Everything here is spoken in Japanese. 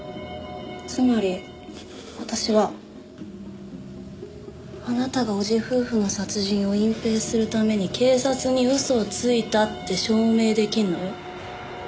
つまり私はあなたが叔父夫婦の殺人を隠蔽するために警察に嘘をついたって証明出来るのよ。